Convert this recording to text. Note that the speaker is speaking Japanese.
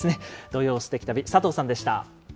土曜すてき旅、佐藤さんでした。